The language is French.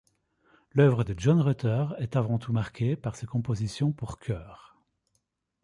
L'œuvre de John Rutter est avant tout marquée par ses compositions pour chœur.